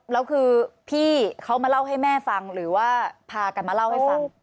แล้วคือพี่เขามาเล่าให้แม่ฟังหรือว่าพากันมาเล่าให้ฟัง